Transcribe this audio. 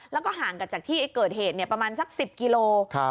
แล้วก็ห่างกันจากที่เกิดเหตุประมาณสัก๑๐กิโล